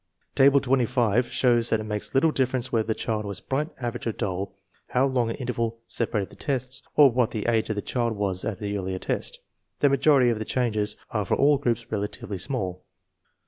Table 25 shows that it makes little difference whether the child was bright, average, or dull, how long an interval separated the tests, or what the age of the child was at the earlier test. The majority of the changes are for all groups relatively small.